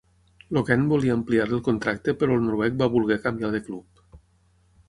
El Gent volia ampliar-li el contracte però el noruec va voler canviar de club.